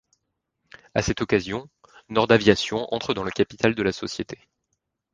À cette occasion, Nord-Aviation entre dans le capital de la société.